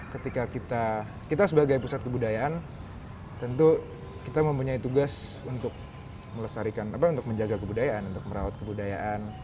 ketika kita sebagai pusat kebudayaan tentu kita mempunyai tugas untuk melestarikan apa untuk menjaga kebudayaan untuk merawat kebudayaan